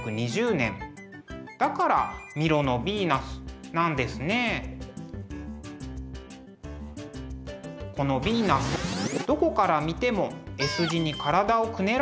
だから「ミロのヴィーナス」なんですね。このヴィーナスどこから見てもＳ字に体をくねらせています。